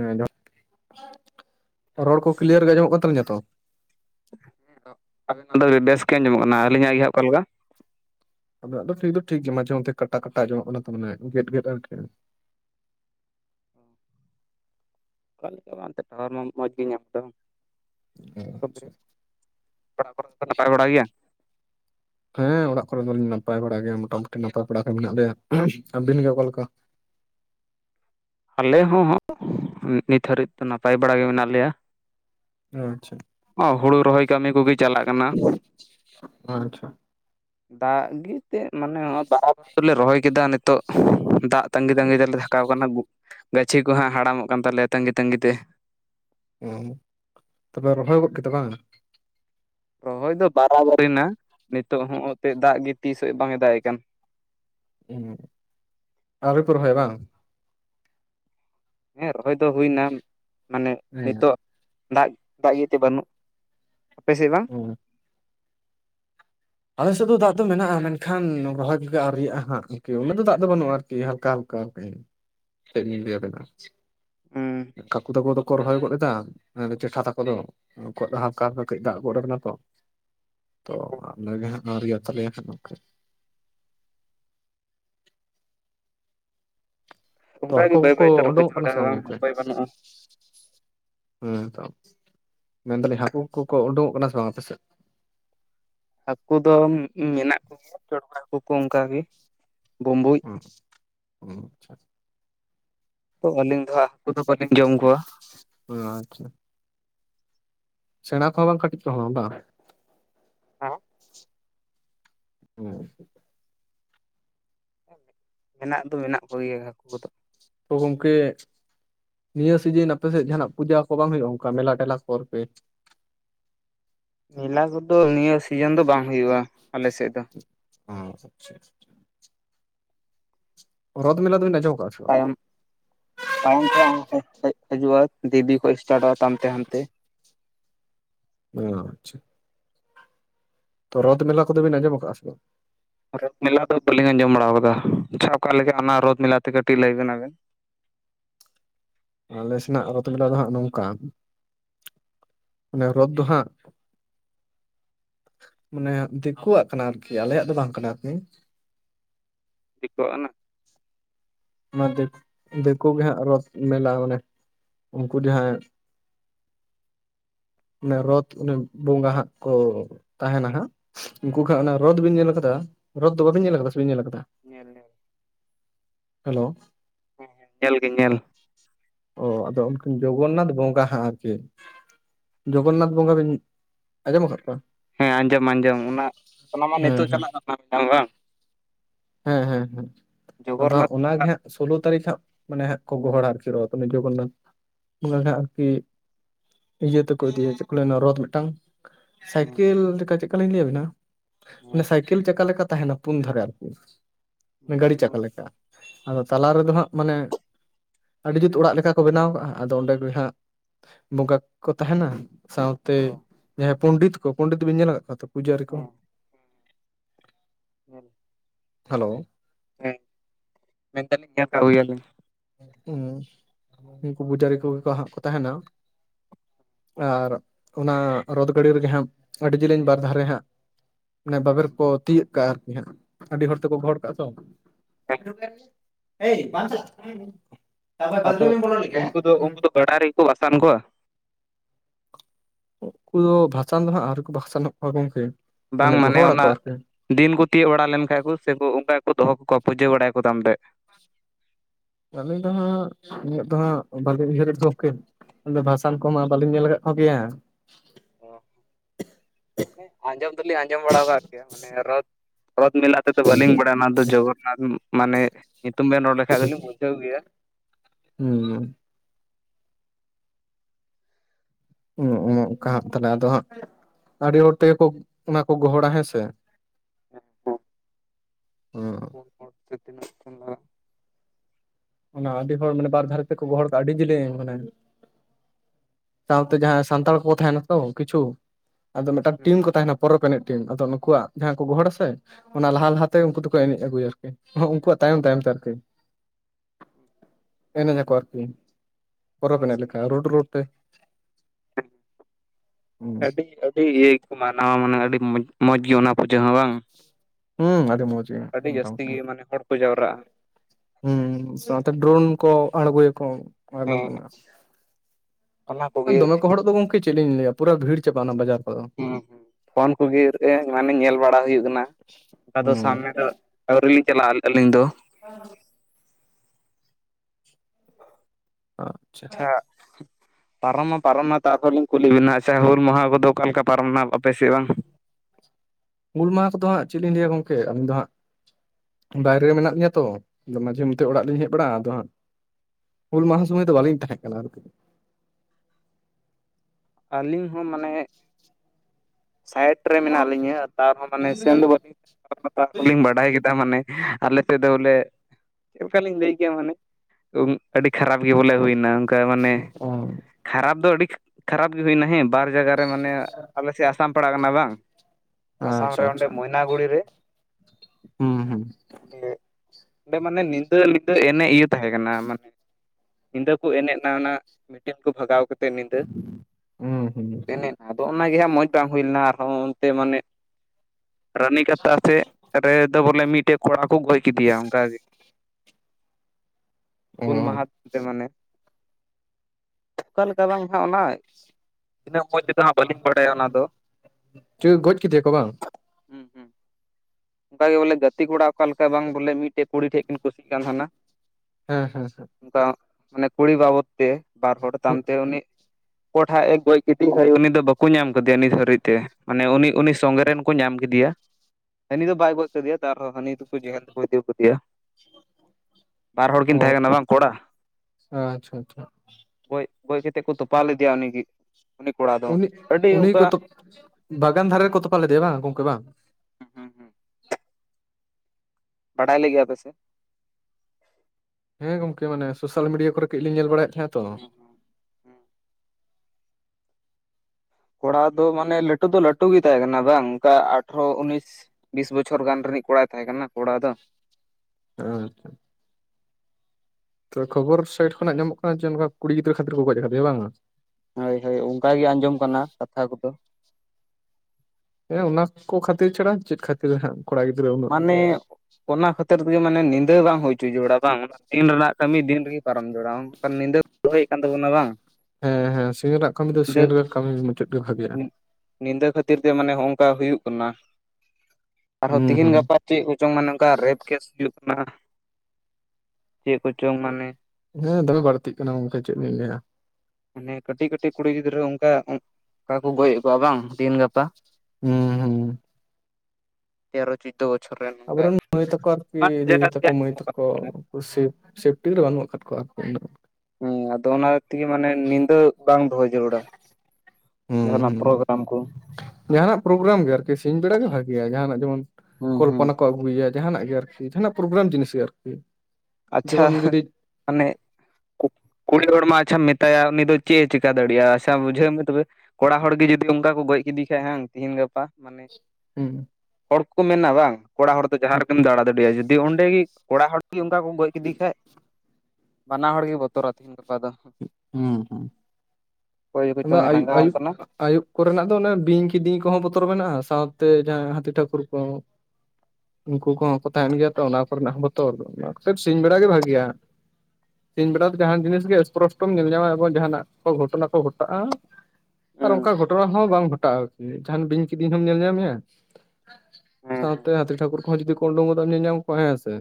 ᱦᱮᱸ [inaudible] ᱨᱚᱲ ᱠᱚ ᱠᱞᱤᱭᱟᱨ ᱜᱮ ᱟᱸᱡᱚᱢᱚᱜ ᱠᱟᱱ ᱛᱟᱹᱞᱤᱧᱟ ᱛᱚ? ᱟᱵᱤᱱ ᱚᱱᱟ ᱫᱚ ᱵᱮᱥ ᱜᱮ ᱟᱸᱡᱚᱢᱚᱜ ᱠᱟᱱᱟ ᱟᱹᱞᱤᱧᱟᱜ ᱜᱮ ᱦᱟᱜ ᱚᱠᱟᱞᱮᱠᱟ? ᱟᱫᱚ ᱟᱫᱚ ᱴᱷᱤᱠ ᱫᱚ ᱴᱷᱤᱠ ᱜᱮᱭᱟ ᱢᱟᱡᱷᱮ ᱢᱽᱷ ᱠᱟᱴ ᱠᱟᱴᱟ ᱡᱚᱢᱚᱜ ᱠᱟᱱᱟ ᱛ ᱢᱟᱱᱮ ᱜᱮᱫ ᱜᱮᱫ ᱟᱨᱠᱤ᱾ ᱚᱠᱟ ᱮᱱᱛᱮ ᱴᱟᱣᱟᱨ ᱢᱟ ᱢᱚᱡᱽ ᱜᱮ ᱧᱟᱢᱫᱟ ᱛᱚᱵᱮ ᱚᱲᱟ ᱠᱚᱨᱮ ᱫᱚ ᱱᱟᱯᱟᱭ ᱵᱟᱲᱟ ᱜᱮᱭᱟ? ᱦᱮᱸ ᱚᱲᱟᱜ ᱠᱚᱨᱮ ᱫᱚᱧ ᱱᱟᱯᱟᱭ ᱵᱟᱲᱟ ᱜᱮᱭᱟ ᱢᱚᱴᱟᱢᱩᱴᱤ ᱱᱟᱯᱟᱭ ᱵᱟᱲᱟ ᱜᱮ ᱢᱮᱱᱟᱜ ᱞᱮᱭᱟ, ᱟᱹᱵᱤᱱ ᱜᱮ ᱚᱠᱟᱞᱮᱠᱟ? ᱟᱞᱮ ᱦᱚᱸᱜ ᱱᱤᱛ ᱦᱟᱹᱨᱤᱡ ᱫᱚ ᱱᱟᱯᱟᱭ ᱵᱟᱲᱟ ᱜᱮ ᱢᱮᱱᱟᱜ ᱞᱮᱭᱟ᱾ ᱟᱪᱪᱷᱟ ᱚ ᱦᱩᱲᱩ ᱨᱚᱦᱚᱭ ᱠᱟᱹᱢᱤ ᱠᱚᱜᱮ ᱪᱟᱞᱟᱜ ᱠᱟᱱᱟ᱾ ᱟᱪᱪᱷᱟ ᱫᱟᱜ ᱜᱤᱛᱮᱫ ᱢᱟᱱᱮ ᱵᱟᱦᱟ ᱵ ᱫᱚᱞᱮ ᱨᱚᱦᱚᱭ ᱠᱮᱫᱟ ᱱᱤᱛᱳᱜ ᱫᱟᱜ ᱛᱟᱺᱜᱤ ᱛᱟᱺᱜᱤ ᱛᱮᱞᱮ ᱛᱷᱟᱠᱟᱣ ᱟᱠᱟᱱᱟ ᱜᱟᱹᱪᱷᱤ ᱠᱚ ᱦᱟᱸᱜ ᱦᱟᱲᱟᱢᱚᱜ ᱠᱟᱱ ᱛᱟᱞᱮᱭᱟ ᱛᱺᱟᱜᱤ ᱛᱟᱺᱜᱤ ᱛᱮ᱾ ᱚ ᱛᱚᱵᱮ ᱨᱚᱦᱚᱭ ᱜᱚᱫ ᱠᱮᱫᱟ ᱵᱟᱝ? ᱨᱚᱦᱚᱭ ᱫᱚ ᱵᱟᱨᱟᱵᱚᱨᱱᱟ ᱱᱤᱛᱚᱜ ᱦᱚᱸ ᱮᱱᱛᱮᱫ ᱫᱟᱜ ᱜᱮ ᱛᱤᱥᱮᱫ ᱵᱟᱝ ᱮ ᱫᱟᱭ ᱠᱟᱱ᱾ ᱚ ᱟᱣᱨᱤ ᱯᱮ ᱨᱚᱦᱟᱭ ᱵᱟᱝ? ᱦᱮᱸ ᱨᱚᱦᱚᱭ ᱫᱚ ᱦᱩᱭᱱᱟ ᱢᱟᱱᱮ ᱱᱤᱛᱚᱜ ᱫᱟᱜ ᱫᱟᱜ ᱤᱭᱟᱹᱛᱮ ᱵᱟᱹᱱᱩᱜ ᱟᱯᱮᱥᱮᱫ ᱵᱟᱝ? [inaudible] ᱟᱞᱮᱥᱮᱫ ᱫᱚ ᱫᱟᱜ ᱫᱚ ᱢᱮᱱᱟᱜᱼᱟ ᱢᱮᱱᱠᱷᱟᱱ ᱨᱚᱦᱚᱭ ᱟᱹᱣᱤᱭᱟᱜ ᱦᱟᱜᱜᱤ ᱩᱱᱟᱹᱜ ᱫᱚ ᱫᱟᱜ ᱫᱚ ᱵᱟᱹᱱᱩᱜᱼᱟ᱾ ᱦᱟᱞᱠᱟ ᱦᱟᱞᱠᱟ ᱜᱚᱢᱠᱮ ᱪᱮᱫ ᱞᱤᱧ ᱞᱟᱹᱭᱟ ᱟᱵᱮᱱᱟ᱾ ᱦᱩᱸ ᱠᱟᱠᱩ ᱛᱟᱹᱠᱚ ᱫᱚ ᱠᱚ ᱨᱚᱦᱚᱭᱟ ᱜᱚᱫ ᱮᱫᱟ ᱪᱮᱴᱷᱟ ᱛᱟᱠᱚ ᱫᱚ ᱜᱚᱫ ᱦᱟᱨᱠᱟ ᱠᱟᱹᱡ ᱫᱟᱜ ᱜᱚᱫ ᱟᱠᱟᱱᱟ ᱛᱚ, ᱛᱚ ᱟᱣᱨᱤ ᱛᱟᱞᱮᱭᱟ ᱱᱟᱦᱟᱜ ᱱᱚᱝᱠᱟ᱾ ᱛᱚ ᱚᱱᱠᱟ ᱜᱮ ᱦᱟᱹᱠᱩ ᱵᱟᱹᱭ ᱠᱚᱠᱚ ᱵᱟᱹᱭᱛᱮ ᱨᱚᱦᱚᱭ ᱩᱰᱩᱠᱚᱜ ᱠᱟᱱᱟ ᱡᱚᱲᱟᱣ ᱥᱮ ᱵᱟᱝ ᱜᱚᱝᱠᱮ? ᱩᱯᱟᱹᱭ ᱵᱟᱹᱱᱩᱜᱼᱟ ᱦᱮᱸ ᱛᱚ ᱢᱮᱱᱫᱟᱞᱤᱧ ᱦᱟᱹᱠᱩ ᱠᱚᱠᱚ ᱩᱰᱩᱝᱚᱜ ᱠᱟᱱᱟ ᱥᱮ ᱵᱟᱝ ᱟᱯᱮᱥᱮᱫ? ᱦᱟᱹᱠᱩ ᱫᱚ ᱢᱮᱱᱟᱜ ᱠᱚᱜᱮᱭᱟ ᱪᱰᱜ ᱦᱟᱹᱠᱩ ᱠᱚ ᱚᱱᱠᱟᱜ ᱜᱮ᱾ ᱵᱩᱸᱵᱩᱡ ᱦᱩᱸ ᱦᱩᱸ ᱟᱪᱪᱷᱟ᱾ ᱛᱚ ᱟᱹᱞᱤᱧ ᱫᱚ ᱦᱟᱸᱜ ᱦᱟᱹᱠᱩ ᱫᱚ ᱵᱟᱹᱞᱤᱧ ᱡᱚᱢ ᱠᱚᱣᱟ᱾ ᱚ ᱟᱪᱷᱟ ᱥᱮᱬᱟ ᱠᱚᱦᱚᱸ ᱵᱟᱝ ᱠᱟᱹᱴᱤᱡ ᱠᱚᱦᱚᱸ ᱵᱟᱝ ᱦᱮᱸ ᱦᱮᱸ ᱢᱮᱱᱟᱜ ᱫᱚ ᱢᱮᱱᱟᱜ ᱠᱚᱜᱮᱭᱟ ᱦᱟᱹᱠᱩ ᱠᱚᱫᱚ ᱜᱚᱢᱠᱮ ᱱᱤᱭᱟᱹ ᱥᱤᱡᱤᱱ ᱟᱯᱮᱥᱮᱫ ᱡᱟᱦᱟᱱᱟᱜ ᱯᱩᱡᱟᱹ ᱠᱚ ᱵᱟᱝ ᱦᱩᱭᱩᱜᱼᱟ ᱚᱱᱠᱟ ᱢᱮᱞᱟ ᱴᱮᱞᱟ ᱠᱚᱨ ᱯᱮ ᱢᱮᱞᱟ ᱠᱚᱫᱚ ᱱᱤᱭᱟᱹ ᱥᱤᱡᱮᱱ ᱫᱚ ᱵᱟᱝ ᱦᱩᱭᱩᱜᱭᱼᱟ ᱟᱞᱮᱥᱮᱫ ᱫᱚ᱾ ᱦᱚᱸ ᱟᱪᱷᱟ ᱪᱷᱟ᱾ ᱨᱚᱫ ᱢᱮᱞᱟ ᱫᱚᱵᱤᱱ ᱟᱸᱧᱡᱚᱢ ᱟᱠᱟᱫᱟᱼᱟ ᱥᱮ ᱵᱟᱝ ᱛᱟᱭᱚᱢ ᱛᱟᱭᱚᱢ ᱛᱮ ᱦᱮᱜ ᱦᱤᱡᱩᱜᱼᱟᱭ ᱫᱮᱵᱤ ᱠᱚ ᱤᱥᱴᱟᱴᱚᱜᱼᱟ ᱵᱟᱛᱟᱱᱛᱮ ᱦᱟᱱᱛᱮ᱾ ᱚ ᱟᱪᱷᱟ ᱨᱚᱛ ᱢᱮᱞᱟ ᱠᱚᱫᱚ ᱵᱤᱱ ᱟᱸᱡᱚᱢ ᱟᱠᱟᱜᱼᱟ ᱥᱮ ᱨᱳᱫᱽ ᱢᱮᱞᱟ ᱫᱚ ᱵᱟᱹᱞᱤᱧ ᱟᱸᱡᱚᱢ ᱵᱟᱲᱟ ᱟᱠᱟᱫᱟ ᱟᱪᱪᱷᱟ ᱚᱠᱟ ᱞᱮᱠᱟ ᱚᱱᱟ ᱨᱳᱫᱽ ᱢᱮᱞᱟᱛᱮ ᱠᱟᱹᱴᱤᱡ ᱞᱟᱹᱭ ᱵᱮᱱ ᱟᱵᱤᱱ ᱟᱞᱮ ᱥᱮᱱᱟᱜ ᱨᱚᱛ ᱢᱮᱞᱟ ᱫᱚ ᱦᱟᱸᱜ ᱱᱚᱝᱠᱟ ᱚᱱᱟ ᱨᱚᱛ ᱫᱚ ᱦᱟᱸᱜ ᱢᱟᱱᱮ ᱫᱤᱠᱩᱣᱟᱜ ᱠᱟᱱᱟ ᱟᱨᱠᱤ ᱟᱞᱮᱭᱟᱜ ᱫᱚ ᱵᱟᱝ ᱠᱟᱱᱟ ᱟᱨᱠᱤ ᱫᱤᱠᱩ ᱚᱱᱟ ᱫᱮᱠᱩ ᱜᱮ ᱱᱟᱦᱟᱸᱜ ᱢᱮᱞᱟ ᱢᱟᱱᱮ ᱩᱱᱠᱩ ᱡᱟᱦᱟᱸᱭ ᱨᱚᱛ ᱚᱱᱮ ᱵᱚᱸᱜᱟ ᱦᱟᱸᱜ ᱠᱚ ᱛᱟᱦᱮᱸᱱᱟ ᱦᱟᱸᱜ ᱩᱱᱠᱩ ᱠᱷᱚᱱ ᱨᱚᱛ ᱵᱤᱱ ᱧᱮᱞ ᱟᱠᱟᱫᱟ ᱨᱚᱛ ᱫᱚ ᱵᱟᱵᱤᱱ ᱧᱮᱞ ᱟᱠᱟᱫᱟ ᱥᱮ ᱵᱤᱱ ᱧᱮᱞ ᱟᱠᱟᱫᱟ ᱧᱮᱞ ᱦᱮᱞᱳ ᱧᱮᱞ ᱜᱮ ᱧᱮᱞ ᱚ ᱟᱫᱚ ᱩᱱᱠᱤᱱ ᱡᱚᱜᱚᱱᱱᱟᱛᱷ ᱵᱚᱸᱜᱟ ᱦᱟᱸᱜ ᱟᱨᱠᱤ ᱡᱚᱜᱚᱱᱱᱟᱛᱷ ᱵᱚᱸᱜᱟ ᱵᱤᱱ ᱟᱸᱡᱚᱢ ᱟᱠᱟᱫ ᱠᱚᱣᱟ ᱦᱮᱸ ᱟᱸᱡᱚᱢ ᱟᱸᱡᱚᱢ ᱚᱱᱟ ᱚᱱᱟ ᱢᱟ ᱦᱮᱸ ᱱᱤᱛᱚᱜ ᱦᱮᱸ ᱪᱟᱞᱟᱜ ᱠᱟᱱᱟ ᱵᱟᱝ? ᱦᱮᱸ ᱦᱮᱸ ᱦᱮᱸ ᱟᱫᱚ ᱡᱚᱜᱚᱨᱱᱟᱛᱷ ᱚᱱᱟᱜᱮ ᱦᱟᱸᱜ ᱥᱳᱞᱳ ᱛᱟᱹᱨᱤᱠᱷ ᱦᱟᱸᱜ ᱢᱟᱱᱮ ᱦᱟᱸᱜ ᱠᱚ ᱜᱚᱦᱚᱲᱟ ᱟᱨᱠᱤ ᱚᱱᱮ ᱡᱚᱜᱚᱱᱱᱟᱛᱷ ᱚᱱᱮ ᱦᱟᱸᱜ ᱟᱨᱠᱤ ᱤᱭᱟᱹ ᱛᱮᱠᱚ ᱤᱫᱤᱭᱟ ᱪᱮᱫ ᱠᱚ ᱞᱮᱭᱟ ᱚᱱᱟ ᱨᱚᱛ ᱢᱤᱫᱴᱟᱝ ᱦᱩᱸ ᱥᱟᱭᱠᱮᱞ ᱦᱩᱸ ᱞᱮᱠᱟ ᱪᱮᱫᱠᱟᱞᱤᱧ ᱞᱟᱹᱭ ᱟᱵᱤᱱᱟ ᱦᱩᱸ ᱚᱱᱮ ᱥᱟᱭᱠᱮᱞ ᱪᱟᱠᱟᱞᱮᱠᱟ ᱛᱟᱸᱦᱮᱱᱟ ᱯᱩᱱ ᱫᱷᱟᱨᱟ ᱨᱮ ᱜᱟᱹᱲᱤ ᱦᱩᱸ ᱪᱟᱠᱟ ᱞᱮᱠᱟ ᱟᱫᱚ ᱛᱟᱞᱟ ᱨᱮᱫᱚ ᱦᱟᱸᱜ ᱢᱟᱱᱮ ᱟᱹᱰᱤ ᱡᱩᱛ ᱚᱲᱟᱜ ᱞᱮᱠᱟ ᱠᱚ ᱵᱮᱱᱟᱣ ᱠᱟᱜᱼᱟ ᱟᱫᱚ ᱚᱸᱰᱮ ᱜᱮ ᱦᱟᱸᱜ ᱵᱚᱸᱜᱟ ᱠᱚ ᱛᱟᱸᱦᱮᱱᱟ ᱥᱟᱶᱛᱮ ᱦᱩᱸ ᱡᱟᱦᱟᱸᱭ ᱯᱚᱱᱰᱤᱛ ᱠᱚ ᱯᱚᱱᱰᱤᱛ ᱵᱤᱱ ᱧᱮᱞ ᱟᱠᱟᱫ ᱠᱚᱣᱟ ᱛᱚ ᱯᱩᱡᱟᱹᱨᱤᱠᱚ? ᱧᱮᱞ ᱦᱮᱞᱳ ᱦᱮᱸ ᱢᱮᱱᱫᱟᱞᱤᱧ ᱧᱮᱞ ᱟᱹᱜᱩᱭᱟᱞᱤᱧ ᱦᱮᱸ ᱩᱱᱠᱩ ᱯᱩᱡᱟᱨᱤ ᱠᱚᱜᱮ ᱠᱚ ᱦᱟᱸᱜ ᱠᱚ ᱛᱟᱦᱮᱱᱟ ᱟᱨ ᱚᱱᱟ ᱨᱚᱫᱽ ᱜᱟᱹᱰᱤ ᱨᱮᱜᱮ ᱦᱟᱸᱜ ᱟᱹᱰᱤ ᱡᱤᱞᱤᱧ ᱵᱟᱨ ᱫᱷᱟᱨᱮ ᱦᱟᱸᱜ ᱢᱟᱱᱮ ᱵᱟᱵᱮᱨ ᱠᱚ ᱛᱤᱜ ᱠᱟᱜᱼᱟ ᱟᱨᱠᱤ ᱦᱟᱸᱜ ᱟᱹᱰᱤ ᱦᱚᱲ ᱛᱮᱠᱚ ᱜᱚᱦᱚᱲ ᱠᱟᱜᱼᱟ ᱛᱚ ᱦᱮᱸ ᱮᱭ ᱵᱟᱢ ᱪᱟᱞᱟᱜ-ᱟ? ᱛᱟᱯᱚᱨᱮ ᱵᱟᱛᱨᱩᱢᱤᱧ ᱵᱚᱞᱚᱱ ᱞᱟᱹᱜᱤᱫ-ᱟ ᱚᱲᱟᱜ ᱨᱮᱠᱚ ᱟᱥᱟᱱ ᱠᱚᱣᱟ ᱩᱱᱠᱩ ᱵᱷᱟᱥᱚᱱ ᱫᱚ ᱦᱟᱸᱜ ᱟᱣᱨᱤᱠᱚ ᱵᱷᱟᱥᱚᱱᱚᱜ ᱦᱳ ᱜᱚᱢᱠᱮ ᱵᱟᱝ ᱢᱟᱱᱮ ᱚᱱᱟ ᱫᱤᱱ ᱠᱚ ᱛᱤᱭᱳᱜ ᱵᱟᱲᱟ ᱞᱮᱱ ᱠᱟᱷᱡ ᱠᱚ ᱥᱮ ᱠᱚ ᱚᱱᱠᱟ ᱜᱮᱠᱚ ᱫᱚᱦᱚ ᱠᱚᱠᱚᱣᱟ ᱯᱩᱡᱟᱹ ᱵᱟᱲᱟᱭᱠᱚ ᱛᱟᱢ ᱛᱮ ᱟᱞᱤᱧ ᱫᱚ ᱦᱟᱸᱜ ᱤᱧᱟᱹᱜ ᱫᱚ ᱦᱟᱸᱜ ᱵᱟᱞᱤᱧ ᱩᱭᱦᱟᱹᱨᱮᱫ ᱜᱚᱢᱠᱮ ᱟᱫᱚ ᱵᱷᱟᱥᱟᱱ ᱠᱚᱢᱟ ᱵᱟᱹᱞᱤᱧ ᱧᱮᱞ ᱟᱠᱟᱫ ᱠᱚᱜᱮᱭᱟ ᱚ ᱢᱟᱱᱮ ᱟᱸᱡᱚᱢ ᱫᱚᱞᱤᱧ ᱟᱸᱡᱚᱢ ᱵᱟᱲᱟ ᱠᱟᱜ ᱜᱮᱭᱟ ᱢᱟᱱᱮ ᱨᱚᱫ ᱨᱚᱫᱽ ᱢᱮᱞᱟ ᱛᱮᱫᱚ ᱵᱟᱹᱞᱤᱧ ᱵᱟᱲᱟᱭᱟ ᱚᱱᱟ ᱫᱚ ᱡᱚᱜᱚᱱᱱᱟᱛᱷ ᱢᱟᱱᱮ ᱧᱩᱛᱩᱢ ᱵᱮᱱ ᱨᱚᱲ ᱞᱮᱠᱷᱟᱱ ᱫᱚᱞᱤᱧ ᱵᱩᱡᱟᱹᱣᱟ ᱵᱩᱡᱷᱟᱹᱣ ᱜᱮᱭᱟ ᱦᱩᱸ ᱚᱸᱜ-ᱚᱸᱜ ᱚᱱᱠᱟ ᱦᱟᱸᱜ ᱛᱟᱦᱚᱞᱮ ᱟᱫᱚ ᱦᱟᱸᱜ ᱟᱹᱰᱤ ᱦᱚᱲ ᱛᱮᱠᱚ ᱚᱱᱟ ᱠᱚ ᱜᱚᱦᱚᱲᱟ ᱦᱮᱸ ᱥᱮ ᱧᱚ ᱯᱳᱱ ᱦᱚᱲ ᱥᱮ ᱛᱤᱱᱟᱹᱜ ᱠᱷᱚᱱ [inaudible] ᱚᱱᱟ ᱟᱹᱰᱤ ᱦᱚᱲ ᱢᱟᱱᱮ ᱵᱟᱨ ᱫᱷᱟᱨᱮ ᱛᱮᱠᱚ ᱜᱚᱦᱚᱲᱫᱟ ᱟᱹᱰᱤ ᱡᱤᱞᱤᱧ ᱢᱟᱱᱮ ᱥᱟᱶᱛᱮ ᱡᱟᱦᱟᱸ ᱥᱟᱱᱛᱟᱲ ᱠᱚᱠᱚ ᱛᱟᱦᱮᱱᱟ ᱛᱚ ᱠᱤᱪᱷᱩ ᱟᱫᱚ ᱢᱤᱫᱴᱟᱝ ᱴᱤᱢ ᱦᱩᱸ ᱠᱚ ᱛᱟᱦᱮᱱᱟ ᱯᱚᱨᱚᱵᱽ ᱮᱱᱮᱡ ᱴᱤᱢ ᱟᱫᱚ ᱱᱩᱠᱩᱣᱟᱜ ᱡᱟᱦᱟᱸ ᱠᱚ ᱜᱚᱦᱚᱲᱟ ᱥᱮ ᱚᱱᱟ ᱞᱟᱦᱟ ᱞᱟᱦᱟᱛᱮ ᱩᱱᱠᱩ ᱫᱚᱠᱚ ᱮᱱᱮᱡ ᱟᱜᱩᱭᱟ ᱟᱨᱠᱤ ᱦᱚᱸ ᱩᱱᱠᱩᱣᱟᱜ ᱛᱟᱭᱚᱢ ᱛᱟᱭᱚᱢ ᱛᱮ ᱟᱨᱠᱤ ᱮᱱᱮᱡ ᱟᱠᱚ ᱟᱨᱠᱤ ᱯᱚᱨᱚᱵ ᱮᱱᱮᱡ ᱞᱮᱠᱟ ᱨᱳᱰ ᱨᱳᱰ ᱛᱮ ᱟᱹᱰᱤ ᱟᱹᱰᱤ ᱤᱭᱟᱹ ᱜᱮᱠᱚ ᱢᱟᱱᱟᱣᱟ ᱢᱟᱱᱮ ᱟᱹᱰᱤ ᱢᱚᱸᱡᱽ ᱜᱮ ᱚᱱᱟ ᱯᱩᱡᱟᱹ ᱦᱚᱸ ᱵᱟᱝ᱾ ᱦᱩᱸ ᱟᱰᱤ ᱢᱚᱡᱽ ᱜᱮᱭᱟ ᱟᱹᱰᱤ ᱡᱟᱹᱥᱛᱤ ᱢᱚᱴᱟᱢᱩᱴᱤ᱾ ᱜᱮ ᱢᱟᱱᱮ ᱦᱚᱲ ᱠᱚ ᱡᱟᱣᱨᱟᱜᱼᱟ ᱦᱩᱸ ᱥᱟᱶᱛᱮ ᱰᱨᱳᱱ ᱠᱚ ᱟᱸᱬᱜᱳ ᱭᱟᱠᱚ᱾ ᱟᱭ ᱦᱮᱸ ᱞᱮᱠᱟ ᱚᱱᱟ ᱢᱮᱱᱟᱜᱼᱟ ᱠᱚᱜᱮ ᱦᱮᱸ ᱫᱚᱢᱮ ᱠᱚ ᱦᱚᱲᱚᱜ ᱫᱚ ᱜᱚᱝᱠᱮ᱾ ᱪᱮᱫ ᱞᱤᱧ ᱞᱟᱹᱭᱟ ᱯᱩᱨᱟᱹ ᱵᱷᱤᱲ ᱪᱟᱵᱟᱜ ᱚᱱᱟ ᱵᱟᱡᱟᱨ ᱠᱚᱫᱚ ᱦᱩᱸ ᱦᱩᱸ ᱯᱷᱳᱱ ᱠᱚᱜᱮ ᱢᱟᱱᱮ ᱧᱮᱞ ᱵᱟᱲᱟ ᱦᱩᱭᱩᱜ ᱠᱟᱱᱟ ᱚᱠᱟ ᱫᱚ ᱦᱩᱸ ᱥᱟᱢᱱᱮ ᱫᱚ ᱟᱹᱣᱨᱤ ᱞᱤᱧ ᱪᱟᱞᱟᱜᱼᱟ ᱟᱹᱞᱤᱧ ᱫᱚ [unintelligible] ᱚ ᱪᱷᱟᱜ ᱯᱟᱨᱚᱢ ᱢᱟ ᱯᱟᱨᱚᱢᱮᱱᱟ ᱛᱟᱨᱯᱚᱨ ᱞᱤᱧ ᱠᱩᱞᱤ ᱵᱮᱱᱟ ᱟᱪᱷᱟ ᱦᱩᱞ ᱢᱟᱦᱟ ᱠᱚᱫᱚ ᱚᱠᱟ ᱞᱮᱠᱟ ᱯᱟᱨᱚᱢᱱᱟ ᱟᱯᱮᱥᱮᱫ ᱵᱟᱝ? ᱦᱩᱞ ᱢᱟᱦᱟ ᱠᱚᱫᱚ ᱦᱟᱸᱜ ᱪᱮᱫᱞᱤᱧ ᱞᱟᱹᱭᱟ ᱜᱚᱢᱠᱮ ᱟᱹᱞᱤᱧ ᱫᱚ ᱦᱟᱸᱜ ᱵᱟᱭᱨᱮ ᱨᱮ ᱢᱮᱱᱟᱜ ᱞᱤᱧᱟ ᱛᱚ ᱟᱫᱚ ᱢᱟᱡᱷᱮ ᱢᱚᱫᱽᱫᱷᱮ ᱚᱲᱟᱜ ᱞᱤᱧ ᱦᱮᱡ ᱵᱟᱲᱟᱜᱼᱟ ᱟᱫᱚ ᱦᱟᱸᱜ ᱦᱩᱞ ᱢᱟᱦᱟ ᱥᱚᱢᱚᱭ ᱫᱚ ᱵᱟᱞᱤᱧ ᱛᱟᱦᱮᱸ ᱠᱟᱱᱟ ᱟᱨᱠᱤ ᱟᱹᱞᱤᱧ ᱦᱚᱸ ᱢᱟᱱᱮ ᱥᱟᱭᱤᱴ ᱨᱮ ᱢᱮᱱᱟᱜ ᱞᱤᱧᱟᱹ ᱛᱟᱨᱦᱚᱸ ᱢᱟᱱᱮ ᱥᱮᱱ ᱫᱚ ᱵᱟᱹᱞᱤᱧ ᱵᱟᱰᱟᱭ ᱠᱮᱫᱟ ᱢᱟᱱᱮ᱾ ᱟᱞᱮ ᱛᱮᱫᱚ ᱞᱮ- ᱪᱮᱫᱠᱟ ᱞᱤᱧ ᱞᱟᱹᱭ ᱠᱮᱭᱟ ᱢᱟᱱᱮ ᱟᱹᱰᱤ ᱠᱷᱟᱨᱟᱯ ᱜᱮ ᱵᱚᱞᱮ ᱦᱩᱭᱱᱟ᱾ ᱚᱱᱠᱟ ᱢᱟᱱᱮ ᱚ ᱠᱷᱟᱨᱟᱯ ᱫᱚ ᱟᱹᱰᱤ ᱠᱷᱟᱨᱟᱯ ᱜᱤ ᱦᱩᱭᱱᱟ ᱦᱮᱸ ᱵᱟᱨ ᱡᱟᱜᱟ ᱨᱮ ᱢᱟᱱᱮ ᱟᱞᱮᱥᱮᱫ- ᱟᱥᱟᱢ ᱯᱟᱲᱟᱜ ᱠᱟᱱᱟ ᱵᱟᱝ᱾ ᱟᱥᱟᱢ ᱟᱪᱪᱷᱟ ᱨᱮ ᱚᱸᱰᱮ ᱟᱪᱪᱷᱟ ᱢᱚᱭᱱᱟᱜᱩᱲᱤ ᱨᱮ ᱦᱩᱸ ᱦᱩᱸ ᱚᱸᱰᱮ- ᱚᱸᱰᱮ ᱢᱟᱱᱮ ᱧᱤᱫᱟᱹ ᱧᱤᱫᱟᱹ ᱮᱱᱮᱡ ᱤᱭᱟᱹ ᱛᱟᱦᱮᱸ ᱠᱟᱱᱟ ᱢᱟᱱᱮ- ᱧᱤᱫᱟᱹ ᱠᱚ ᱮᱱᱮᱡ ᱚᱱᱟ ᱢᱤᱴᱤᱱ ᱠᱚ ᱵᱷᱟᱜᱟᱣ ᱠᱟᱛᱮᱫ ᱧᱤᱫᱟᱹ- ᱦᱩᱸ ᱦᱩᱸ᱾ ᱮᱱᱮᱡ ᱮᱱᱟ, ᱟᱫᱚ ᱚᱱᱟᱜᱮᱦᱟᱸᱜ ᱢᱚᱡᱽ ᱵᱟᱝ ᱦᱩᱭ ᱞᱮᱱᱟ ᱟᱨᱦᱚᱸ ᱚᱱᱛᱮ ᱢᱟᱱᱮ- ᱨᱟᱹᱱᱤ ᱠᱟᱛᱷᱟ ᱥᱮᱫ ᱨᱮᱫᱚ ᱵᱚᱞᱮ ᱢᱤᱫᱴᱮᱡ- ᱠᱚᱲᱟ ᱠᱚ ᱜᱚᱡᱽ ᱠᱤᱫᱤᱭᱟ ᱚᱱᱠᱟ ᱜᱮ ᱚ ᱦᱩᱞ ᱢᱟᱦᱟᱼ ᱚᱸᱰᱮ ᱢᱟᱱᱮ ᱚᱠᱟ ᱞᱮᱠᱟ ᱵᱟᱝ ᱦᱟᱸᱜ ᱚᱱᱟᱼ ᱛᱤᱱᱟᱹᱜ ᱢᱚᱡᱽ ᱛᱮᱫᱚ ᱦᱟᱸᱜ ᱵᱟᱹᱞᱤᱧ ᱵᱟᱰᱟᱭᱟ ᱚᱱᱟ ᱫᱚ᱾ ᱪᱩᱭᱩ ᱜᱚᱡᱽ ᱠᱮᱫᱮᱭᱟᱠᱚ ᱵᱟᱝ᱾ ᱚᱱᱠᱟ ᱜᱮ ᱵᱚᱞᱮ ᱜᱟᱛᱮ ᱠᱚᱲᱟ ᱚᱠᱟ ᱞᱮᱠᱟ ᱵᱟᱝ ᱵᱚᱞᱮ ᱢᱤᱫᱴᱮᱡ ᱠᱩᱲᱤ ᱴᱷᱮᱡ ᱠᱤᱱ ᱠᱩᱥᱤᱜ ᱠᱟᱱ ᱛᱟᱦᱮᱱᱟ᱾ ᱦᱮᱸ ᱦᱮᱸ ᱦᱮᱸ᱾ ᱚᱱᱠᱟ ᱢᱟᱱᱮ ᱠᱩᱲᱤ ᱵᱟᱵᱚᱫ ᱛᱮ ᱵᱟᱨ ᱦᱚᱲ ᱜᱟᱱᱛᱮ ᱩᱱᱤᱼ ᱚᱠᱚ ᱴᱷᱟᱜ ᱮ ᱜᱚᱡᱽ ᱠᱤᱫᱤ ᱦᱳᱭ ᱩᱱᱤ ᱫᱚ ᱵᱟᱠᱚ ᱧᱟᱢ ᱠᱟᱫᱤᱭᱟ ᱱᱤᱛ ᱦᱟᱹᱨᱤᱡ ᱛᱮ᱾ ᱢᱟᱱᱮ ᱩᱱᱤ ᱩᱱᱤ ᱥᱚᱸᱜᱮ ᱨᱮᱱ ᱠᱚ ᱧᱟᱢ ᱠᱤᱫᱤᱭᱟ᱾ ᱦᱟᱹᱱᱤ ᱫᱚ ᱵᱟᱭ ᱜᱚᱡᱽ ᱠᱟᱫᱤᱭᱟ ᱛᱟᱨᱦᱚ ᱦᱟᱹᱱᱤ ᱫᱚᱠᱩ ᱡᱮᱦᱮᱞ ᱛᱮᱠᱩ ᱤᱫᱤ ᱠᱟᱫᱤᱭᱟ᱾ ᱵᱟᱨ ᱦᱚᱲ ᱠᱤᱱ ᱚ ᱛᱟᱦᱮᱸ ᱠᱟᱱᱟ ᱵᱟᱝ ᱠᱚᱲᱟ᱾ ᱟᱪᱪᱷᱟ ᱟᱪᱪᱷᱟ ᱜᱚᱡᱽ ᱜᱚᱡᱽ ᱠᱟᱛᱮᱫ ᱠᱚ ᱛᱚᱯᱟ ᱞᱤᱫᱤᱭᱟ ᱩᱱᱤᱜᱤ ᱩᱱᱤ ᱠᱚᱲᱟ ᱫᱚ ᱩᱱᱤ ᱟᱹᱰᱤ ᱩᱱᱤ ᱚᱱᱠᱟᱼ ᱠᱚ ᱛᱚ ᱵᱟᱜᱟᱱ ᱫᱷᱟᱨᱮ ᱨᱮᱠᱚ ᱛᱚᱯᱟ ᱞᱮᱫᱮᱭᱟ ᱵᱟᱝ ᱜᱚᱝᱠᱮ ᱵᱟᱝ᱾ ᱦᱩᱸ ᱦᱩᱸ᱾ ᱵᱟᱰᱟᱭ ᱞᱮᱜᱮᱭᱟ ᱯᱮᱥᱮ᱾ ᱦᱮᱸ ᱜᱚᱝᱠᱮ ᱢᱟᱱᱮ ᱥᱳᱥᱟᱞ ᱢᱤᱰᱤᱭᱟ ᱠᱚᱨᱮ ᱠᱟᱹᱡ ᱞᱤᱧ ᱧᱮᱞ ᱵᱟᱲᱟᱭᱮᱫ ᱛᱟᱦᱮᱸᱛ-ᱟ ᱛᱚ᱾ ᱦᱚᱸ ᱦᱚᱸ ᱠᱚᱲᱟ ᱫᱚ ᱢᱟᱱᱮ ᱞᱟᱹᱴᱩ ᱫᱚ ᱞᱟᱹᱴᱩ ᱜᱮ ᱛᱟᱦᱮᱸ ᱠᱟᱱᱟ ᱵᱟᱝ ᱚᱱᱠᱟ ᱟᱴᱷᱮᱨᱚ ᱩᱱᱤᱥ ᱵᱤᱥ ᱵᱚᱪᱷᱚᱨ ᱜᱟᱱ ᱨᱤᱱᱤᱡ ᱠᱚᱲᱟᱭ ᱛᱟᱦᱮᱸ ᱠᱟᱱᱟ ᱠᱚᱲᱟ ᱫᱚ᱾ ᱦᱮᱸ ᱦᱚᱭᱛᱚ᱾ ᱛᱚ ᱠᱷᱚᱵᱚᱨ ᱥᱟᱭᱤᱴ ᱠᱷᱚᱱᱟᱜ ᱧᱟᱢᱚᱜ ᱠᱟᱱᱟ ᱡᱮ ᱱᱚᱝᱠᱟ ᱠᱩᱲᱤ ᱜᱤᱫᱽᱨᱟᱹ ᱠᱷᱟᱛᱤᱨ ᱠᱚ ᱜᱚᱡ ᱟᱠᱟᱫᱮᱭᱟ ᱵᱟᱝᱼᱟ᱾ ᱦᱳᱭ ᱦᱳᱭ ᱚᱱᱠᱟ ᱜᱮ ᱟᱸᱡᱚᱢ ᱠᱟᱱᱟ ᱠᱟᱛᱷᱟ ᱠᱚᱫᱚ᱾ ᱦᱮᱸ ᱚᱱᱟ ᱠᱚ ᱠᱷᱟᱹᱛᱤᱨ ᱪᱷᱟᱲᱟ ᱪᱮᱫ ᱠᱷᱟᱹᱛᱤᱨ ᱦᱟᱝ᱾ ᱢᱟᱱᱮ ᱚᱱᱟ ᱠᱷᱟᱹᱛᱤᱨ ᱛᱮᱜᱮ ᱢᱟᱱᱮ ᱧᱤᱫᱟᱹ ᱵᱟᱝ ᱦᱩᱭᱪᱚᱭ ᱚᱲᱟᱜ ᱵᱟᱝ? ᱫᱤᱱ ᱨᱮᱱᱟᱜ ᱠᱟᱹᱢᱤ ᱫᱤᱱ ᱨᱮᱜᱮ ᱯᱟᱨᱚᱢ ᱡᱚᱲᱟᱣ ᱟᱢ ᱚᱱᱠᱟ ᱧᱤᱫᱟᱹ ᱠᱚ ᱫᱚᱦᱚ ᱦᱩᱭ ᱠᱟᱱ ᱛᱟᱵᱚᱱᱟ ᱵᱟᱝ᱾ ᱦᱮᱸ ᱦᱮᱸ ᱥᱤᱧ ᱨᱮᱱᱟᱜ ᱠᱟᱹᱢᱤ ᱫᱚ ᱧᱤᱫᱟᱹ ᱥᱤᱧ ᱨᱮᱜᱮ ᱠᱟᱹᱢᱤ ᱢᱩᱪᱟᱹᱫ ᱜᱮ ᱵᱷᱟᱜᱤᱭᱟ᱾ ᱧᱤᱫᱟᱹ ᱠᱷᱟᱹᱛᱤᱨ ᱛᱮ ᱢᱟᱱᱮ ᱦᱚᱝᱠᱟ ᱦᱩᱭᱩᱜ ᱠᱟᱱᱟ, ᱟᱨᱦᱚᱸ ᱦᱩᱸ ᱛᱤᱦᱤᱧ ᱦᱩᱸ ᱜᱟᱯᱟ ᱪᱮᱫ ᱠᱚᱪᱚᱝ ᱢᱟᱱᱮ ᱚᱱᱠᱟ ᱨᱮᱯ ᱠᱮᱥ ᱦᱩᱭᱩᱜ ᱠᱟᱱᱟ, ᱪᱮᱫ ᱠᱚᱪᱚᱝ ᱢᱟᱱᱮ ᱦᱮᱸ ᱫᱚᱢᱮ ᱵᱟᱹᱲᱛᱤᱜ ᱠᱟᱱᱟ ᱜᱚᱢᱠᱮ ᱪᱮᱫ ᱞᱤᱧ ᱞᱟᱹᱭᱟ᱾ ᱢᱟᱱᱮ ᱠᱟᱹᱴᱤᱡ ᱠᱟᱹᱴᱤᱡ ᱠᱩᱲᱤ ᱜᱤᱫᱽᱨᱟᱹ ᱚᱱᱠᱟ ᱚᱱᱠᱟ ᱠᱚ ᱜᱚᱡ ᱮᱫ ᱠᱚᱣᱟ ᱵᱟᱝ ᱛᱤᱦᱤᱱ ᱜᱟᱯᱟ? ᱦᱩᱸ ᱦᱩᱸ ᱛᱮᱨᱚ ᱪᱩᱭᱫᱳ ᱵᱚᱪᱷᱚᱨ ᱨᱮᱱ᱾ ᱟᱵᱚ ᱚᱱᱠᱟ ᱨᱮᱱ ᱢᱟᱹᱭ ᱛᱟᱠᱚ ᱟᱨᱠᱤ ᱫᱤᱫᱤ ᱡᱮᱴᱟ ᱛᱟᱠᱚ ᱛᱮᱜᱮ ᱢᱟᱹᱭ ᱟᱸᱡᱚᱢᱚᱜ ᱠᱟᱱ ᱛᱟᱠᱚ ᱛᱟᱦᱮᱸᱱᱟ ᱥᱮᱯ ᱥᱮᱯᱴᱤ ᱨᱮ ᱵᱟᱹᱱᱩᱜ ᱟᱠᱟᱫ ᱠᱚᱣᱟ ᱟᱨᱠᱤ ᱩᱱᱟᱹᱜ᱾ ᱦᱮᱸ ᱟᱫᱚ ᱚᱱᱟ ᱛᱤᱜᱤ ᱢᱟᱱᱮ ᱱᱤᱱᱫᱟᱹ ᱵᱟᱝ ᱫᱚᱦᱚ ᱡᱟᱹᱨᱩᱲᱟ᱾ [unintelligible] ᱡᱟᱦᱟᱱᱟᱜ ᱦᱩᱸ ᱯᱨᱳᱜᱨᱟᱢ ᱠᱚ ᱡᱟᱦᱟᱱᱟᱜ ᱯᱨᱳᱜᱨᱟᱢ ᱜᱮ ᱟᱨᱠᱤ ᱥᱤᱧ ᱵᱮᱲᱟ ᱜᱮ ᱵᱷᱟᱜᱭᱟ ᱡᱟᱦᱟᱱᱟᱜ ᱡᱮᱢᱚᱱ ᱦᱩᱸ ᱦᱩᱸ ᱠᱚᱞᱯᱚᱱᱟ ᱠᱚ ᱟᱹᱜᱩᱭᱮᱭᱟ ᱡᱟᱦᱟᱱᱟᱜ ᱜᱮ ᱟᱨᱠᱤ ᱡᱟᱦᱟᱱᱟᱜ ᱯᱨᱳᱜᱨᱟᱢ ᱡᱤᱱᱤᱥ ᱜᱮ ᱟᱨᱠᱤ ᱟᱪᱪᱷᱟ ᱡᱮᱢᱚᱱ ᱡᱩᱫᱤ ᱢᱟᱱᱮ ᱠᱩᱲᱤ ᱦᱚᱲ ᱢᱟ ᱟᱪᱪᱷᱟᱟᱢ ᱢᱮᱛᱟᱭᱟ ᱩᱱᱤ ᱫᱚ ᱪᱮᱫ ᱮ ᱪᱤᱠᱠᱟ ᱫᱟᱲᱮᱭᱟᱜᱼᱟ ᱟᱪᱪᱷᱟ ᱵᱩᱡᱷᱟᱹᱣ ᱢᱮ ᱛᱚᱵᱮ ᱠᱚᱲᱟ ᱦᱚᱲ ᱜᱮ ᱡᱩᱫᱤ ᱚᱱᱠᱟ ᱠᱚ ᱜᱚᱡ ᱠᱤᱰᱤ ᱠᱟᱭᱟ ᱛᱤᱦᱤᱧ ᱜᱟᱯᱟ ᱢᱟᱱᱮ ᱦᱮᱸ [unintelligible] ᱦᱚᱲ ᱠᱚᱠᱚ ᱢᱮᱱᱟ ᱵᱟᱝ ᱠᱚᱲᱟ ᱦᱚᱲ ᱫᱚ ᱡᱟᱦᱟᱸ ᱦᱩᱸ ᱨᱮᱜᱮᱢ ᱫᱟᱬᱟ ᱫᱟᱲᱮᱭᱟᱜᱼᱟ ᱡᱩᱫᱤ ᱚᱸᱰᱮᱜ ᱠᱚᱲᱟ ᱦᱚᱲ ᱩᱝ ᱩᱝ ᱚᱠᱟ ᱠᱚᱢ ᱜᱚᱡ ᱠᱮᱫᱮ ᱠᱷᱟᱱᱡ ᱵᱟᱱᱟ ᱦᱚᱲ ᱜᱮ ᱵᱚᱛᱚᱨᱟ ᱛᱮᱦᱱ ᱜᱟᱯᱟ ᱫᱚ᱾ ᱦᱩᱸ ᱢᱟᱱᱮ ᱦᱩᱸ ᱚᱠᱚᱭ ᱟᱫᱚ ᱠᱚᱪᱚᱝ ᱮ ᱟᱭᱩ ᱨᱟᱸᱜᱟᱣᱟᱢ ᱟᱭᱩᱵ ᱠᱟᱱᱟ ᱟᱭᱩ ᱠᱚᱨᱮᱱᱟᱜ ᱫᱚ ᱚᱱᱮ ᱵᱤᱧ ᱠᱤᱫᱤᱧ ᱠᱚᱦᱚᱸ ᱵᱚᱛᱚᱨ ᱢᱮᱱᱟᱜᱼᱟ ᱥᱟᱶᱛᱮ ᱡᱟᱦᱟᱸ ᱦᱟᱹᱛᱤ ᱴᱷᱷᱟᱠᱩᱨ ᱠᱚ ᱩᱱᱠᱩ ᱠᱚᱦᱚᱸ ᱠᱚ ᱛᱟᱦᱮᱱ ᱜᱮᱭᱟ ᱛᱚ ᱚᱱᱟ ᱠᱚᱨᱮᱱᱟᱜ ᱦᱚᱸ ᱵᱚᱛᱚᱨ ᱫᱚ᱾ ᱥᱤᱧ ᱵᱮᱲᱟ ᱜᱮ ᱵᱷᱟᱜᱤᱭᱟ ᱥᱤᱧ ᱵᱮᱲᱟ ᱫᱚ ᱡᱟᱦᱟᱱ ᱡᱤᱱᱤᱥ ᱜᱮ [inaudible] ᱛᱚ ᱧᱮᱞ ᱧᱟᱢᱟ ᱮᱵᱚᱝ ᱡᱟᱦᱟᱱᱟᱜ ᱠᱚ ᱜᱷᱚᱴᱚᱱᱟ ᱠᱚ ᱜᱷᱚᱴᱟᱜᱼᱟ᱾ ᱟᱨ ᱚᱱᱠᱟ ᱦᱮᱸ ᱜᱷᱚᱴᱚᱱᱟ ᱦᱚᱸ ᱵᱟᱝ ᱜᱷᱚᱴᱟᱜᱼᱟ ᱟᱨᱠᱤ ᱡᱟᱦᱟᱱ ᱵᱤᱧ ᱠᱤᱫᱤᱤᱱ ᱦᱢ ᱧᱮᱞ ᱧᱟᱢᱮᱭᱟ᱾ ᱥᱟᱶᱛᱮ ᱦᱟᱹᱛᱤ ᱴᱷᱟᱹᱠᱩᱨ ᱠᱚᱚᱸ ᱡᱩᱫᱤ ᱠᱚ ᱩᱰᱩᱝ ᱜᱟᱫᱚᱜ ᱧᱮᱞᱧᱟᱢ ᱠᱚᱣᱟ ᱦᱮᱸ ᱥᱮ᱾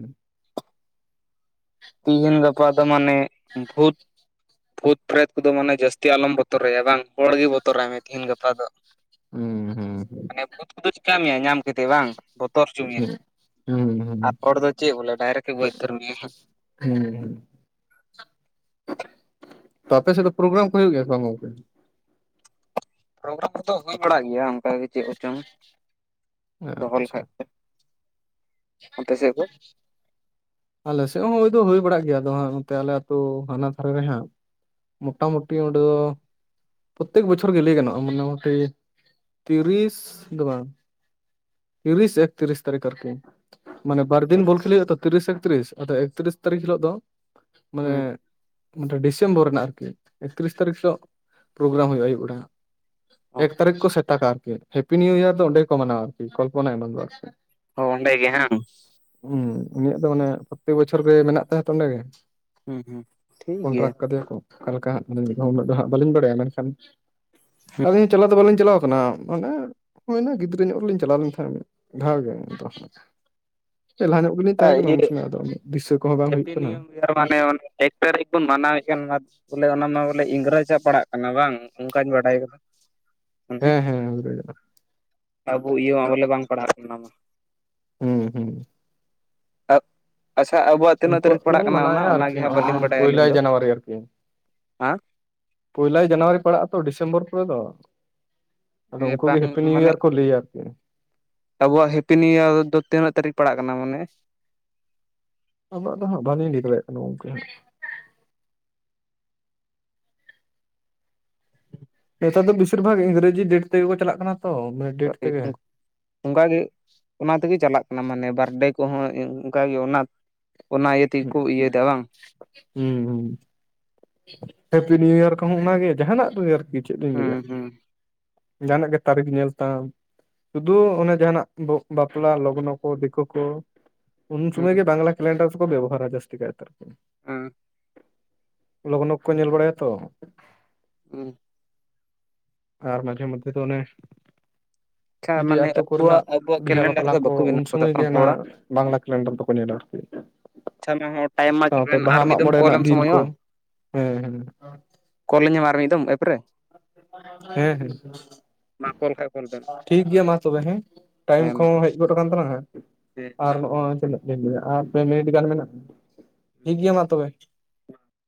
ᱛᱤᱦᱤᱱ ᱜᱟᱯᱟ ᱫᱚ ᱢᱟᱱᱮ ᱵᱩᱛ ᱵᱷᱩᱛ ᱯᱷᱨᱮᱫ ᱠᱚᱫᱚ ᱢᱟᱱᱮ ᱡᱟᱹᱥᱛᱤ ᱟᱞᱚᱢ ᱵᱚᱛᱚᱨᱟᱭᱟ ᱵᱟᱝ ᱦᱚᱲ ᱜᱮ ᱵᱚᱛᱚᱨᱟᱭ ᱢᱮ ᱛᱮᱦᱤᱧ ᱜᱟᱯᱟ ᱫᱚ᱾ ᱦᱩᱸ ᱦᱩᱸ ᱦᱩᱸ ᱢᱟᱱᱮ ᱵᱷᱩᱛ ᱠᱚᱫᱚ ᱪᱮᱠᱟ ᱢᱮᱭᱟ ᱧᱟᱢ ᱠᱟᱛᱮ ᱵᱟᱝ ᱵᱚᱛᱚᱨ ᱦᱚᱪᱚ ᱢᱮᱭᱟ᱾ ᱦᱩᱸᱩᱸ ᱟᱨ ᱦᱚᱲ ᱫᱚ ᱪᱮᱫ ᱵᱚᱞᱮ ᱰᱟᱭᱨᱮᱠᱴ ᱜᱮ ᱜᱚᱡ ᱩᱛᱟᱹᱨ ᱢᱮᱭᱟ ᱦᱮᱸ᱾ ᱦᱩᱸ ᱦᱩᱸ ᱟᱯᱮ ᱥᱮᱫ ᱫᱚ ᱯᱨᱳᱜᱨᱟᱢ ᱠᱚ ᱦᱩᱭᱩᱜ ᱜᱮᱭᱟ ᱥᱮ ᱵᱟᱝ ᱜᱚᱝᱠᱮ? ᱯᱨᱨᱟᱢ ᱠᱚᱫᱚ ᱦᱩᱭ ᱵᱟᱲᱟᱜ ᱜᱮᱭᱟ ᱚᱱᱠᱟᱜ ᱜᱮ ᱪᱮᱫ ᱦᱚᱪᱚᱝ ᱫᱚᱦᱚ ᱟᱪᱪᱷᱟ ᱞᱮᱠᱷᱟᱡ᱾ ᱟᱯᱮ ᱥᱮᱫ ᱫᱚ? ᱟᱞᱮᱥᱮᱫ ᱦᱚᱸ ᱦᱳᱭ ᱫᱚ ᱦᱩᱭ ᱵᱟᱲᱟᱜ ᱜᱮᱭᱟ ᱱᱚᱛᱮ ᱟᱞᱮ ᱟᱹᱛᱩ ᱦᱟᱱᱟ ᱫᱷᱟᱨ ᱨᱮᱦᱟᱸᱜ᱾ ᱢᱩᱴᱟ ᱢᱩᱴᱤ ᱚᱰᱮ ᱫᱚ ᱯᱨᱚᱛᱮᱠ ᱵᱚᱪᱷᱚᱨ ᱜᱮ ᱞᱟᱹᱭ ᱜᱟᱱᱚᱜᱼᱟ ᱢᱚᱴᱟ ᱢᱩᱴᱤ ᱛᱤᱨᱤᱥ ᱫᱚ ᱵᱟᱝ ᱛᱤᱨᱤᱥ ᱮᱠᱛᱤᱨᱤᱥ ᱛᱟᱨᱤᱠᱷ ᱟᱨᱠᱤ ᱢᱟᱱᱮ ᱵᱟᱨ ᱫᱤᱱ ᱠᱷᱟᱹᱛᱤᱨ ᱵᱚᱞ ᱠᱷᱮᱞᱳ ᱦᱩᱭᱩᱜᱼᱟ ᱛᱚ ᱛᱤᱨᱤᱥ ᱮᱠᱛᱨᱤᱥ ᱟᱫᱚ ᱮᱠᱛᱤᱨᱤᱥ ᱛᱟᱨᱤᱠᱷ ᱦᱤᱞᱳᱜ ᱫᱚ ᱢᱟᱱᱮ ᱰᱤᱥᱮᱢᱵᱚᱨ ᱨᱮᱱᱟᱜ ᱟᱨᱠᱤ ᱮᱠᱛᱨᱤᱥ ᱛᱟᱹᱨᱤᱠᱷ ᱦᱤᱞᱚᱜ ᱯᱨᱳᱜᱨᱟᱢ ᱦᱩᱭᱩᱜᱼᱟ ᱟᱭᱭᱩᱵ ᱵᱮᱲᱟ ᱦᱟᱸᱜ᱾ ᱮᱠ ᱛᱟᱹᱨᱤᱠᱷ ᱠᱚ ᱥᱮᱛᱟᱟᱜᱼᱟ ᱟᱨᱠᱤ ᱦᱮᱯᱤ ᱱᱤᱭᱩ ᱤᱭᱟᱨ ᱫᱚ ᱚᱸᱰᱮ ᱠᱚ ᱢᱟᱱᱟᱣᱟ ᱟᱨᱠᱤ ᱠᱚᱞᱯᱚᱱᱟ ᱮᱢᱟᱱ ᱫᱚ ᱟᱨᱠᱤ᱾ ᱚ ᱚᱸᱰᱮ ᱜᱮ ᱦᱟᱝᱜ ᱩᱸ ᱩᱱᱤᱭᱟᱜ ᱫᱚ ᱢᱟᱱᱮ ᱯᱨᱚᱛᱮᱠ ᱵᱚᱪᱷᱚᱨ ᱜᱮ ᱢᱮᱱᱟᱜ ᱛᱟᱭᱟ ᱛᱚ ᱚᱸᱰᱮ ᱜᱮ᱾ ᱦᱩᱸ ᱦᱩᱸ ᱴᱷᱤᱠ ᱜᱮᱭᱟ ᱠᱚᱱᱴᱨᱟᱠᱴ ᱠᱟᱫᱮᱭᱟᱠᱚ ᱚᱠᱟ ᱞᱮᱠᱟ ᱦᱜ ᱩᱱᱟᱹᱜ ᱫᱚ ᱦᱟᱸᱜ ᱵᱟᱹᱞᱤᱧ ᱵᱟᱲᱟᱭᱟ ᱢᱮᱱᱠᱷᱟᱱ ᱦᱩᱸ ᱟᱹᱞᱤᱧ ᱦᱚ ᱪᱟᱞᱟᱣ ᱫᱚ ᱵᱟᱹᱞᱤᱧ ᱪᱟᱞᱟᱣ ᱠᱟᱱᱟ ᱢᱟᱱᱮ ᱦᱩᱭᱱᱟ ᱜᱤᱫᱽᱨᱟᱹ ᱧᱚᱜ ᱨᱮ ᱞᱤᱧ ᱪᱟᱞᱟᱣ ᱞᱮᱱ ᱛᱟᱦᱮᱸᱫ ᱢᱤᱫ ᱫᱷᱟᱣ ᱜᱮ ᱞᱮᱞᱦᱟ ᱧᱚᱜ ᱵᱤᱥᱤ ᱞᱤᱧᱛᱟᱦᱮ ᱠᱟᱱᱟ ᱩᱱ ᱤᱭᱟᱹ ᱥᱩᱢᱚᱭ ᱟᱫᱚ ᱟᱱᱟ. ᱜ ᱫᱤᱥᱟᱹ ᱠᱚ ᱦᱚᱸ ᱵᱟᱝ ᱦᱩᱭᱩᱜ ᱦᱮᱯᱤ ᱠᱟᱱᱟ ᱱᱤᱭᱩ ᱤᱭᱟᱨ ᱨᱮᱭᱟᱜ ᱢᱟᱱᱮ ᱚᱱᱮ ᱮᱠ ᱛᱟᱹᱨᱤᱠᱷ ᱵᱚᱱ ᱢᱟᱱᱟᱣᱮᱜ ᱠᱟᱱ ᱱᱟᱣᱟ ᱵᱚᱞᱮ ᱚᱱᱟ ᱢᱟ ᱵᱚᱞᱮ ᱤᱝᱨᱮᱡᱼᱟᱜ ᱯᱟᱲᱟᱜ ᱠᱟᱱᱟ ᱵᱟᱝ ᱚᱱᱠᱟᱧ ᱵᱟᱰᱟᱭ ᱠᱟᱫᱟ᱾ ᱢᱟᱱᱮ ᱦᱮᱸ ᱦᱮᱸ ᱦᱮ [unintelligible] ᱟᱵᱚ ᱤᱭᱟᱹ ᱵᱚᱞᱮ ᱵᱟᱝ ᱯᱟᱲᱦᱟᱜ ᱠᱟᱱᱟ ᱢᱟ ᱦᱩᱸ ᱦᱩᱸ ᱟᱪᱪᱷᱟ ᱟᱵᱚᱣᱟᱜ ᱛᱤᱱᱟᱹᱜ ᱩᱱᱠᱩᱣᱟᱜ ᱛᱟᱹᱨᱤᱠᱷ ᱯᱟᱲᱟᱜ ᱜᱮᱵᱚᱱ ᱠᱟᱱᱟ ᱚᱱᱟ ᱢᱟᱱᱟᱣᱮᱫᱼᱟ ᱟᱨᱠᱤ ᱚᱱᱟᱜᱮ ᱦᱟᱸᱜ ᱱᱚᱜᱼᱚᱭ ᱵᱟᱹᱞᱤᱧ ᱡᱮᱢᱚᱱ ᱵᱟᱰᱟᱭᱟ ᱟᱹᱞᱤᱧ ᱯᱚᱭᱞᱟᱭ ᱫᱚ ᱡᱟᱱᱩᱣᱟᱨᱤ ᱟᱨᱠᱤ ᱦᱮᱸ ᱯᱚᱭᱞᱟᱭ ᱡᱟᱱᱩᱣᱟᱨᱤ ᱯᱟᱲᱟᱜ ᱟ ᱛᱚ ᱰᱤᱥᱮᱢᱵᱚᱨ ᱯᱚᱨᱮ ᱫᱚ ᱟᱫᱚ ᱩᱱᱠᱩ ᱜᱮ ᱵᱟᱝ ᱦᱮᱯᱤ ᱱᱤᱭᱩ ᱢᱟᱱᱮ ᱤᱭᱟᱨ ᱠᱚ ᱞᱟᱹᱭᱟ ᱟᱨᱠᱤ ᱟᱵᱚᱣᱟᱜ ᱦᱮᱯᱤ ᱱᱤᱭᱩ ᱤᱭᱟᱨ ᱫᱚ ᱛᱤᱱᱟᱹᱜ ᱛᱟᱹᱨᱤᱠᱷ ᱯᱟᱲᱟᱜ ᱠᱟᱱᱟ ᱢᱟᱱᱮ ᱟᱵᱚᱣᱟᱜ ᱫᱚ ᱦᱟᱜ ᱵᱟᱞᱤᱧ ᱞᱟᱹᱭ ᱫᱟᱬᱮ ᱠᱟᱱᱟ ᱜᱚᱢᱠᱮ ᱱᱮᱛᱟᱨ ᱫᱚ ᱵᱮᱥᱤᱨ ᱵᱷᱟᱜᱽ ᱤᱝᱨᱮᱡᱤ ᱰᱮᱴ ᱛᱮᱜᱮ ᱠᱚ ᱪᱟᱞᱟᱜ ᱠᱟᱱᱟ ᱛᱚ ᱰᱮᱴ ᱛᱮᱜᱮ [unintelligible] ᱚᱱᱠᱟᱜᱮ ᱚᱱᱟ ᱛᱮᱜᱮ ᱪᱟᱞᱟᱜ ᱠᱟᱱᱟ ᱢᱟᱱᱮ ᱵᱟᱨᱰᱮ ᱠᱚᱦᱚᱸ ᱚᱱᱠᱟᱜᱮ ᱚᱱᱟ ᱚᱱᱟ ᱤᱭᱟᱹ ᱛᱮᱜᱮ ᱠᱚ ᱦᱩᱸᱜ ᱤᱭᱟᱹᱭᱮᱫᱟ ᱵᱟᱝ ᱦᱩ ᱦᱩ ᱦᱮᱯᱤ ᱱᱤᱭᱩ ᱤᱭᱟᱨ ᱠᱚᱦᱚᱸ ᱚᱱᱟᱜᱮ ᱡᱟᱦᱟᱱᱟᱜ ᱫᱚ ᱟᱨᱠᱤ ᱪᱮᱜ ᱞᱤᱧ ᱦᱩᱸ ᱞᱟᱹᱭᱟ᱾ ᱦᱩᱸ ᱡᱟᱱᱟᱜ ᱜᱮ ᱛᱟᱹᱨᱤᱠᱷ ᱧᱮᱞ ᱛᱟᱢ᱾ ᱥᱩᱫᱩ ᱚᱱᱮ ᱡᱟᱦᱟᱱᱟᱜ ᱵᱚᱜ ᱵᱟᱯᱞᱟ ᱞᱚᱠᱱᱚ ᱠᱚ ᱫᱮᱠᱳ ᱠᱚ ᱾ ᱩᱱ ᱦᱩᱸ ᱥᱩᱢᱚᱭ ᱜᱮ ᱵᱟᱝᱞᱟ ᱠᱮᱞᱮᱱᱰᱟᱨ ᱠᱚ ᱵᱮᱵᱚᱦᱟᱨᱟ ᱡᱟᱹᱥᱛᱤ ᱠᱟᱭ ᱛᱮ ᱚᱸ ᱞᱚᱜᱚᱱᱚ ᱠᱚ ᱧᱮᱞ ᱵᱟᱲᱟᱭᱟ ᱛᱚ᱾ ᱩᱸ ᱟᱨ ᱢᱟᱡᱷᱮ ᱢᱚᱫᱷᱮ ᱫᱚ ᱚᱱᱮ ᱟᱪᱪᱷᱟ ᱡᱩᱫᱤ ᱢᱟᱱᱮ ᱟᱛᱳ ᱠᱚ ᱟᱵᱚᱣᱟᱜ ᱨᱮᱱᱟᱜ ᱟᱵᱚᱣᱟᱜ ᱵᱤᱦᱟᱹ ᱠᱮᱞᱮᱱᱰᱟᱨ ᱵᱟᱯᱞᱟ ᱫᱚ ᱠᱚ ᱵᱟᱠᱚ ᱩᱱ ᱵᱮᱱᱟᱣ ᱠᱟᱫᱟ ᱥᱚᱢᱚᱭ ᱵᱟᱝ ᱜᱮ ᱱᱟᱜ ᱦᱚᱲᱟᱜ ᱵᱟᱝᱞᱟ ᱠᱮᱞᱮᱱᱰᱟᱨ ᱫᱚᱠᱚ ᱧᱮᱞᱟ ᱾ ᱟᱪᱪᱷᱟ ᱢᱟ ᱦᱚ ᱴᱟᱭᱤᱢ ᱢᱟ ᱡᱳᱭᱮᱱ ᱟᱨ ᱵᱟᱦᱟ ᱢᱤᱜ ᱢᱟᱜ ᱫᱚᱢ ᱢᱚᱬᱮ ᱠᱚᱞ ᱨᱮᱱᱟᱜ ᱮᱢ ᱫᱤᱱ ᱠᱚ ᱥᱚᱢᱚᱭᱚᱜᱼᱟ ᱦᱮᱸ ᱾ ᱠᱚᱞ ᱤᱧ ᱧᱟᱢ ᱟᱨ ᱢᱤᱫ ᱫᱚᱢ ᱮᱯ ᱨᱮ᱾ ᱦᱮᱸ ᱦᱮᱸ ᱢᱟ ᱠᱚᱞ ᱠᱷᱟᱡ ᱠᱚᱞ ᱵᱮᱱ [inaudible] ᱴᱷᱤᱠ ᱜᱤᱭᱟ ᱢᱟ ᱛᱚᱵᱮ ᱦᱮᱸ ᱴᱟᱭᱤᱢ ᱦᱮᱸ ᱢᱟ ᱠᱚᱦᱚᱸ ᱦᱮᱡ ᱜᱚᱫ ᱟᱠᱟᱱ ᱛᱟᱞᱟᱝᱟ ᱦᱟᱜ ᱦᱮᱸ ᱟᱨ ᱢᱟ ᱱᱚᱜᱼᱚᱭ ᱛᱤᱱᱟᱹᱜ [unintelligible] ᱟᱨ ᱯᱮ ᱢᱤᱱᱤᱴ ᱜᱟᱱ ᱢᱮᱱᱟᱜᱼᱟ ᱴᱷᱤᱠ ᱜᱮᱭᱟ ᱢᱟ ᱛᱚᱵᱮ ᱾ [inaudible]